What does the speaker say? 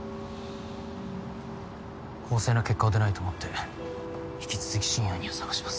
公正な結果は出ないと思って引き続き真犯人を捜します。